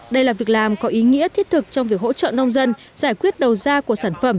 đây là việc làm có ý nghĩa thiết thực trong việc hỗ trợ nông dân giải quyết đầu ra của sản phẩm